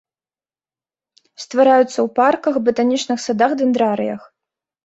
Ствараюцца ў парках, батанічных садах, дэндрарыях.